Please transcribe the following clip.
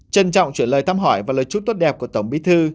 trân trọng chuyển lời thăm hỏi và lời chúc tốt đẹp của tổng bí thư